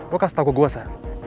lu kasih tau ke gua sa